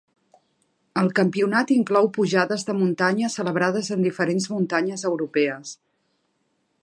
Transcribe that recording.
El campionat inclou pujades de muntanya celebrades en diferents muntanyes europees.